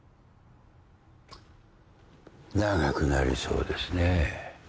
長くなりそうですね。